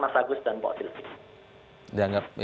mas agus dan pak silvi